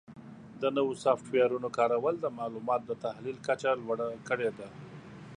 د نوو سافټویرونو کارول د معلوماتو د تحلیل کچه لوړه کړې ده.